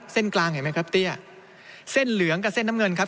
เส้นกลางเห็นไหมครับเตี้ยเส้นเหลืองกับเส้นน้ำเงินครับ